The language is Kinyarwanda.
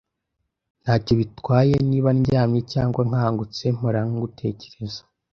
Ntacyo bitwaye niba ndyamye cyangwa nkangutse, mpora ngutekereza.